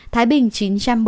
thái bình chín trăm một mươi tám